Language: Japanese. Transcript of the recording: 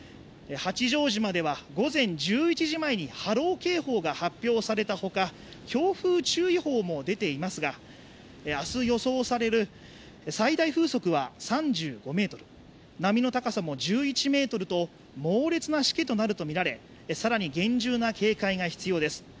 八丈島では、午前１１時前に、波浪警報が発表されたほか強風注意報も出ていますが、明日予想される最大風速は３５メートル、波の高さも１１メートルと、猛烈な、しけとなると見られ更に厳重な警戒が必要です。